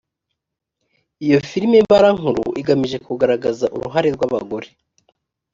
iyo filimi mbarankuru igamije kugaragaza uruhare rw abagore